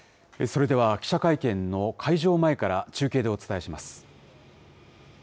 それでは記者会見の会場前から、中継でお伝えします。